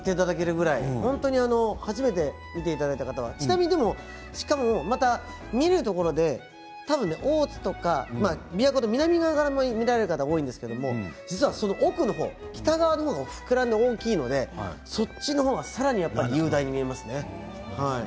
初めて見ていただいた方はちなみに見るところで多分、大津とか琵琶湖は南側から見られる方が多いんですけど実はその奥、北側の方が膨らんで大きいのでそっちの方がさらに雄大に見えますね。